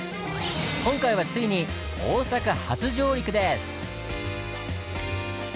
今回はついに大阪初上陸です！